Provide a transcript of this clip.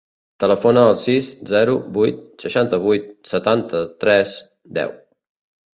Telefona al sis, zero, vuit, seixanta-vuit, setanta-tres, deu.